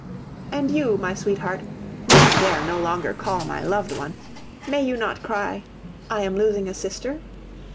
And you, my sweetheart (whom I dare no longer call my loved one), may you not cry, "I am losing a sister?"